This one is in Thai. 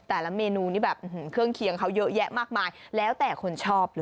แต่ละเมนูนี่แบบเครื่องเคียงเขาเยอะแยะมากมายแล้วแต่คนชอบเลย